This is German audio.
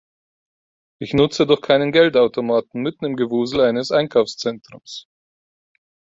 Ich nutze doch keinen Geldautomaten mitten im Gewusel eines Einkaufszentrums!